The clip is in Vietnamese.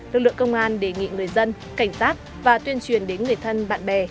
lực lượng công an đề nghị người dân cảnh tác và tuyên truyền đến người thân bạn bè